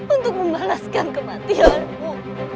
untuk membalaskan kematianmu